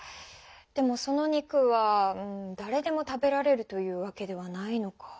でもその肉はだれでも食べられるというわけではないのか。